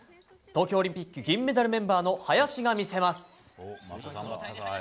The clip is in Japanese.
東京オリンピック銀メダルメンバーの林が見せます。